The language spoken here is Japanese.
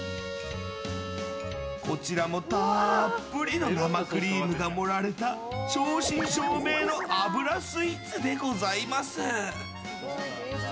こちらもたっぷりの生クリームが盛られた正真正銘の脂スイーツでございます。